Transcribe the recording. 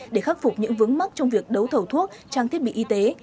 để khắc phục những vướng mắc trong việc đấu thầu thuốc trang thiết bị y tế